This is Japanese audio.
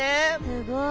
すごい。